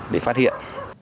để phát hiện